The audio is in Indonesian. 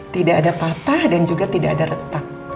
tidak ada patah dan juga tidak ada retak